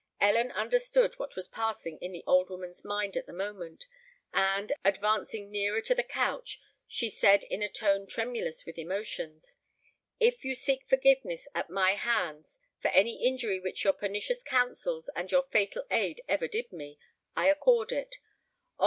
Ellen understood what was passing in the old woman's mind at the moment; and, advancing nearer to the couch, she said in a tone tremulous with emotions, "If you seek forgiveness at my hands for any injury which your pernicious counsels and your fatal aid ever did me, I accord it—Oh!